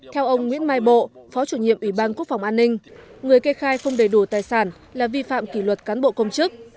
theo ông nguyễn mai bộ phó chủ nhiệm ubthqh người kê khai không đầy đủ tài sản là vi phạm kỷ luật cán bộ công chức